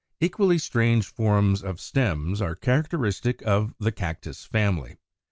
Equally strange forms of stems are characteristic of the Cactus family (Fig.